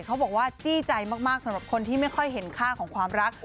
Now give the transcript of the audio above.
บอกว่าจี้ใจมากสำหรับคนที่ไม่ค่อยเห็นค่าของความรัก